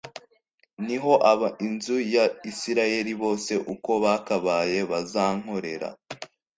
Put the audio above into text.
ni ho ab inzu ya Isirayeli bose uko bakabaye bazankorera